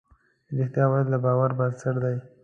رښتیا ویل د باور بنسټ دی.